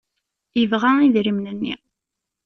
Yebɣa idrimen-nni.